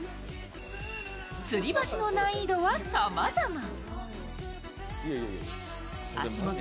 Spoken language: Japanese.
つり橋の難易度はさまざま。